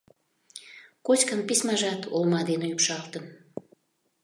Коськан письмажат олма дене ӱпшалтын.